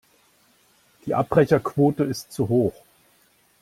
Die Abbrecherquote ist zu hoch.